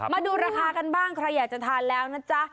มาดูราคากันบ้างใครอยากจะทานแล้วนะจ๊ะ